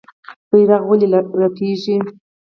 بیرغ ولې رپیږي؟